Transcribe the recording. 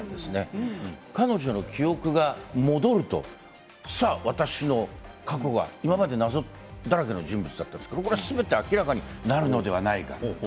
彼女の記憶が戻るとさあ、私の過去が今まで謎だらけの人物だったんですけど、そこがすべて明らかになるのではないか。